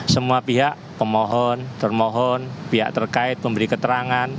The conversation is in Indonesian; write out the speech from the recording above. semua pihak pemohon termohon pihak terkait memberi keterangan